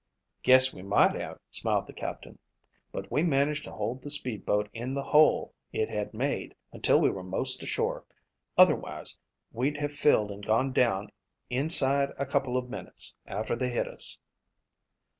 "Guess we might have," smiled the captain, "but we managed to hold the speed boat in the hole it had made until we were most to shore. Otherwise we'd have filled and gone down inside a couple of minutes after they hit us."